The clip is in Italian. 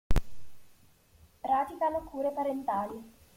Praticano cure parentali.